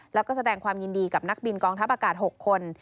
แล้วก็แสดงความยินดีกับนักบินกองทัพอากาศ๖คน